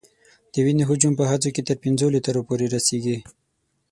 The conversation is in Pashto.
د وینې حجم په ښځو کې تر پنځو لیترو پورې رسېږي.